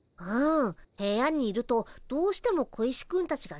部屋にいるとどうしても小石くんたちが気になっちゃうからね。